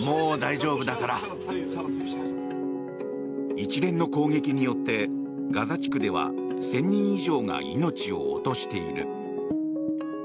一連の攻撃によってガザ地区では１０００人以上が命を落としている。